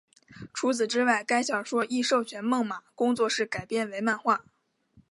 除此之外该小说亦授权梦马工作室改编为漫画。